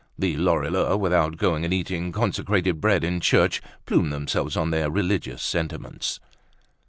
The Lorilleux, without going and eating consecrated bread in church, plumed themselves on their religious sentiments.